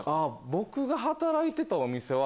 僕が働いてたお店は。